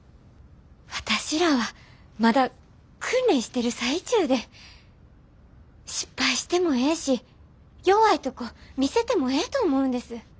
私らはまだ訓練してる最中で失敗してもええし弱いとこ見せてもええと思うんです。